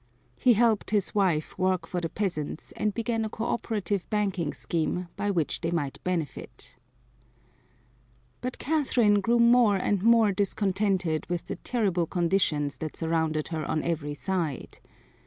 He helped his wife work for the peasants and began a cooperative banking scheme by which they might benefit. But Catherine grew more and more discontented with the terrible conditions that surrounded her on every side.